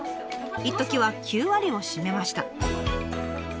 いっときは９割を占めました。